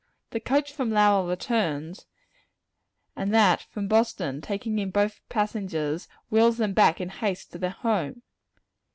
The coach from Lowell returns, and that from Boston, taking in both passengers, wheels them back in haste to their home.